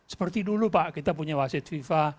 seperti dulu pak kita punya wasit fifa